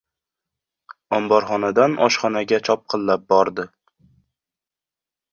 Omborxonadan oshxonaga chopqillab bordi.